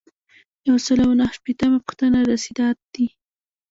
یو سل او نهه شپیتمه پوښتنه رسیدات دي.